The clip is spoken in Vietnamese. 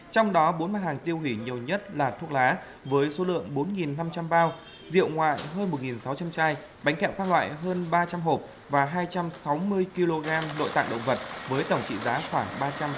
trong đó bốn mặt hàng tiêu hủy nhiều nhất là thuốc lá với số lượng bốn năm trăm linh bao rượu ngoại hơn một sáu trăm linh chai bánh kẹo các loại hơn ba trăm linh hộp và hai trăm sáu mươi kg nội tạng động vật với tổng trị giá khoảng ba trăm linh